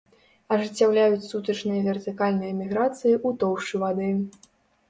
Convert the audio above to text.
Ажыццяўляюць сутачныя вертыкальныя міграцыі ў тоўшчы вады.